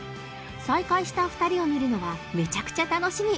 再会した２人を見るのはめちゃくちゃ楽しみ。